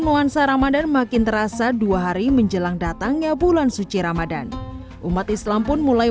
nuansa ramadhan makin terasa dua hari menjelang datangnya bulan suci ramadhan umat islam pun mulai